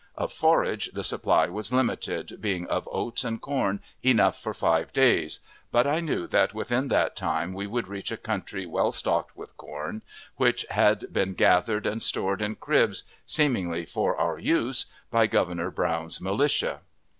Of forage, the supply was limited, being of oats and corn enough for five days, but I knew that within that time we would reach a country well stocked with corn, which had been gathered and stored in cribs, seemingly for our use, by Governor Brown's militia.